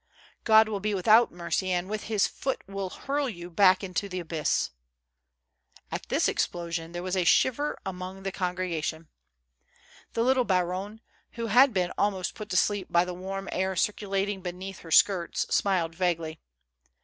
God will be without mercy, and with his foot will hurl you back into the abyss !" At this explosion, there was a shiver among the con gregation. The little baronne, who had been almost put to sleep by the warm air circulating beneath her skirts, smiled vaguely.